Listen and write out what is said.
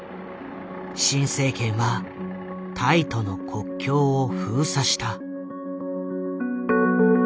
新政権はタイとの国境を封鎖した。